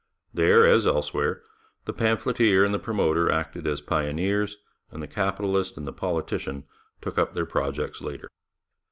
There, as elsewhere, the pamphleteer and the promoter acted as pioneers, and the capitalist and the politician took up their projects later.